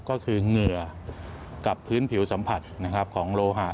ก็คือเหงื่อกับพื้นผิวสัมผัสของโลหะ